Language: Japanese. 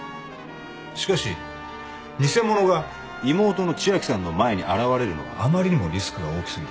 しかし偽者が妹の千晶さんの前に現れるのはあまりにもリスクが大きすぎる。